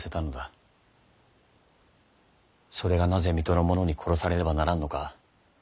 それがなぜ水戸の者に殺されねばならぬのか